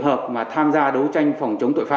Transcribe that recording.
con đẻ của thương minh